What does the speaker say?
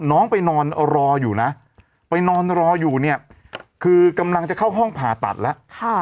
น้องไปนอนรออยู่นะไปนอนรออยู่เนี่ยคือกำลังจะเข้าห้องผ่าตัดแล้ว